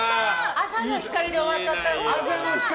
「朝の光」で終わっちゃった。